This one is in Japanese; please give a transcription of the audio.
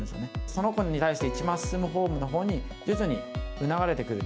その子に対して、一番進むフォームのほうに、徐々に流れてくる。